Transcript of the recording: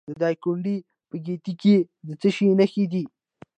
د دایکنډي په ګیتي کې د څه شي نښې دي؟